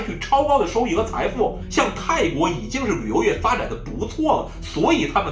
เมื่อไทยมันกำลังสร้างขึ้น